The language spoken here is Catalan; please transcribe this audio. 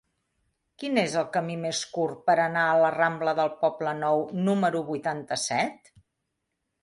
Quin és el camí més curt per anar a la rambla del Poblenou número vuitanta-set?